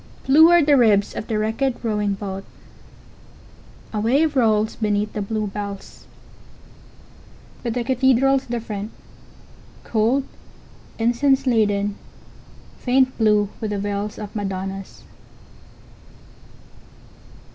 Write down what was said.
Blue are the ribs of the wrecked rowing boat. A wave rolls beneath the blue bells. But the cathedral's different, cold, incense laden, faint blue with the veils of madonnas.